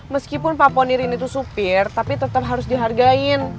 meskipun pak ponir ini tuh supir tapi tetep harus dihargain